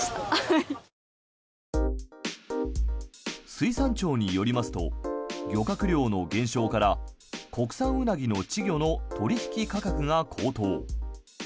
水産庁によりますと漁獲量の減少から国産ウナギの稚魚の取引価格が高騰。